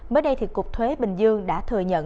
mới đây cục thuế bình dương đã thừa nhận